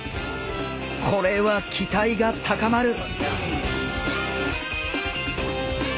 これは期待が高まる！